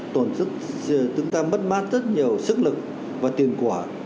tổn sức chúng ta mất mát rất nhiều sức lực và tiền quả